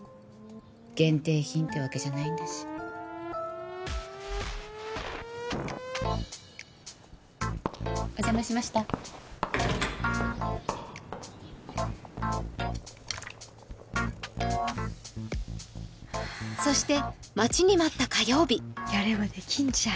限定品ってわけじゃないんだしお邪魔しましたそして待ちに待った火曜日やればできんじゃん